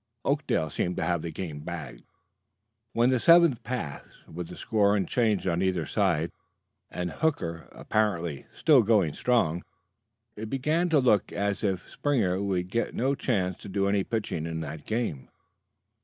Oakdale seemed to have the game bagged. When the seventh passed with the score unchanged on either side and Hooker apparently "still going strong," it began to look as if Springer would get no chance to do any pitching in that game.